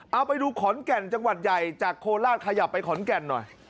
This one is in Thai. เอาไปดูขอนแก่นจังหวัดใหญ่จากโคราชขยับไปขอนแก่นหน่อย